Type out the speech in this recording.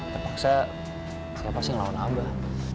terpaksa saya pasti ngelawan abah